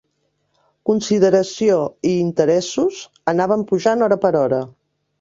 Consideració, i interessos, anaven pujant hora per hora